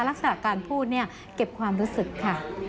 ลักษณะการพูดเนี่ยเก็บความรู้สึกค่ะ